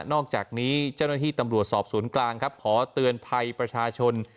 อกจากนี้เจ้าหน้าที่ตำรวจสอบสวนกลางครับขอเตือนภัยประชาชน